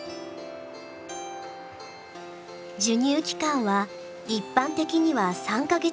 授乳期間は一般的には３か月ほど。